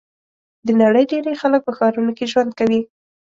د نړۍ ډېری خلک په ښارونو کې ژوند کوي.